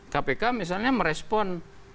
kpk misalnya merespon